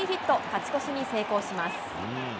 勝ち越しに成功します。